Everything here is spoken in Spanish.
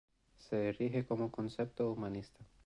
Se erige como concepto humanista.